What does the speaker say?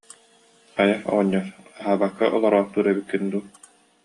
Хайа, оҕонньор, аһаабакка олороохтуур эбиккин дуу